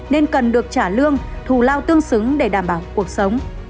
nên cần được trả lương thù lao tương xứng để đảm bảo cuộc sống